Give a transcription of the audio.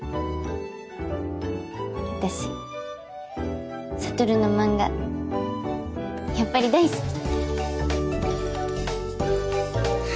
私悟の漫画やっぱり大好き。